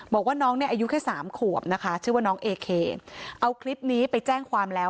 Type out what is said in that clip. บอกว่าน้องเนี่ยอายุแค่สามขวบนะคะชื่อว่าน้องเอเคนเอาคลิปนี้ไปแจ้งความแล้ว